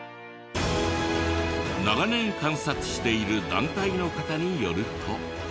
長年観察している団体の方によると。